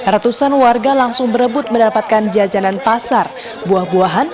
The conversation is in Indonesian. ratusan warga langsung berebut mendapatkan jajanan pasar buah buahan